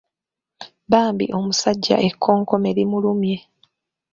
Bambi omusajja ekkokkome limulumye!